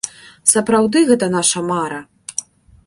Сапраўды гэта наша мара!